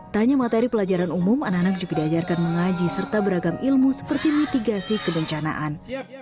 tanya materi pelajaran umum anak anak juga diajarkan mengaji serta beragam ilmu seperti mitigasi kebencanaan